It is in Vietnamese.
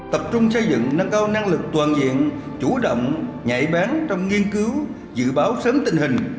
tập trung xây dựng nâng cao năng lực toàn diện chủ động nhạy bán trong nghiên cứu dự báo sớm tình hình